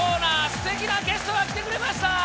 すてきなゲストが来てくれました